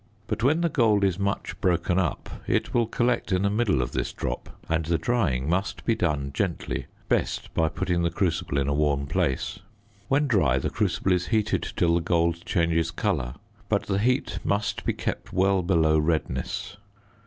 But when the gold is much broken up, it will collect in the middle of this drop and the drying must be done gently; best by putting the crucible in a warm place. When dry, the crucible is heated till the gold changes colour, but the heat must be kept well below redness.